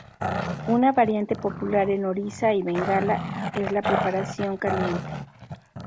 Una variante popular en Orissa y Bengala es la preparación caliente.